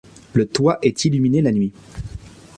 Le toit est illuminé la nuit.